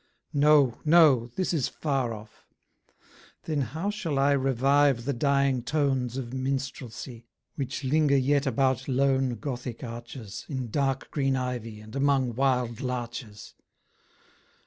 No, no! this is far off: then how shall I Revive the dying tones of minstrelsy, Which linger yet about lone gothic arches, In dark green ivy, and among wild larches?